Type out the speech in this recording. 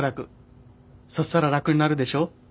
そしたら楽になるでしょ？